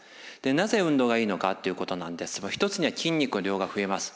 なぜ運動がいいのかということなんですが一つには筋肉の量が増えます。